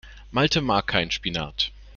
Malte mag keinen Spinat.